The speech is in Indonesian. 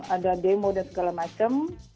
ada demo dan segala macam